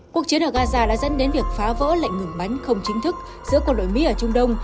cuộc chiến ở gaza đã dẫn đến việc phá vỡ lệnh ngừng bắn không chính thức giữa quân đội mỹ ở trung đông